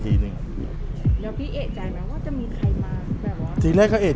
ไม่รู้ว่ามีคนติดละนาด